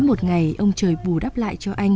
hai đôi chân đen láy của ông trời bù đắp lại cho anh